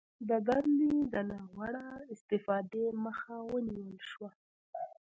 د دندې د ناوړه استفادې مخه ونیول شوه